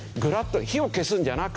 火を消すんじゃなく。